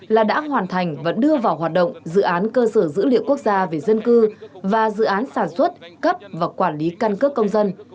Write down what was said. là đã hoàn thành và đưa vào hoạt động dự án cơ sở dữ liệu quốc gia về dân cư và dự án sản xuất cấp và quản lý căn cước công dân